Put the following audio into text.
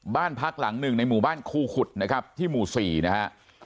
บ้านพักหลังหนึ่งในหมู่บ้านคูขุดนะครับที่หมู่๔นะฮะ